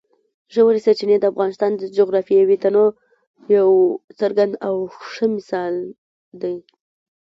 ژورې سرچینې د افغانستان د جغرافیوي تنوع یو څرګند او ښه مثال دی.